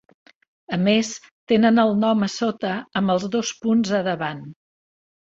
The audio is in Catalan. A més, tenen el nom a sota amb els dos punts a davant.